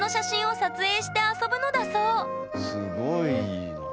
すごいいいな。